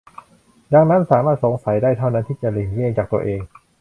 ดังนั้นสามารถสงสัยได้เท่านั้นที่จะหลีกเลี่ยงจากตัวเอง